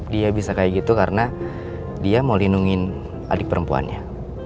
dia bisa kayak gitu karena dia mau lindungi adik perempuannya